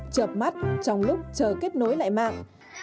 chợp mắt trong lúc chờ kết nối lại mạng